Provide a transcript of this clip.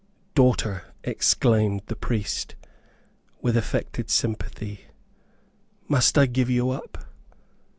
"Daughter," exclaimed the priest, with affected sympathy, "must I give you up?